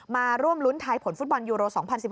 มาร่วมรุ้นทายผลฟุตบอลยูโร๒๐๑๖